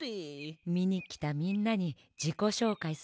みにきたみんなにじこしょうかいするってことね？